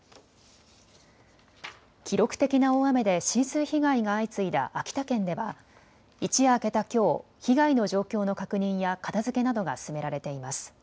記録的な大雨で浸水被害が相次いだ秋田県では一夜明けたきょう被害の状況の確認や片づけなどが進められています。